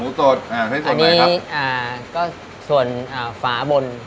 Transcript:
อันนี้ก็ส่วนฝาบน